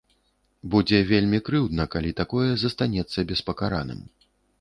Будзе вельмі крыўдна, калі такое застанецца беспакараным.